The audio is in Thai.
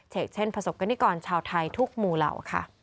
เฉกเช่นประสบกัณฑิกรชาวไทยทุกมูเหล่า